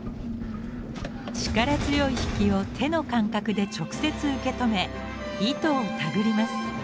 力強い引きを手の感覚で直接受け止め糸を手繰ります。